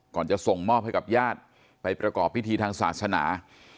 จะส่งมอบให้กับญาติไปประกอบพิธีทางศาสนา